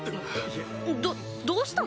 どどうしたの？